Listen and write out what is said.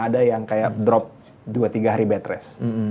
ada yang kayak drop dua tiga hari bed rest